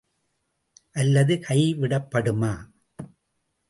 அல்லது கை விடப்படுமா?